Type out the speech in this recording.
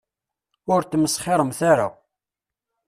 Ur tmesxiremt ara.